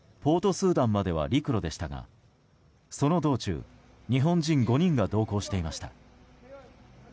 スーダンまでは陸路でしたが、その道中日本人５人が同行していました。